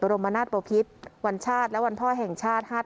รมนาศปภิษวันชาติและวันพ่อแห่งชาติ